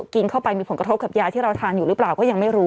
กินเข้าไปมีผลกระทบกับยาที่เราทานอยู่หรือเปล่าก็ยังไม่รู้